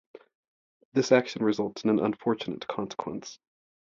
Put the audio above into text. This action results in an unfortunate consequence.